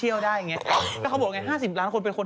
อีก๕๐ล้านอยู่เป็นข้างภาษาหรือเรนพล